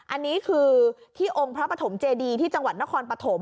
อันนี้คือที่องค์พระปฐมเจดีที่จังหวัดนครปฐม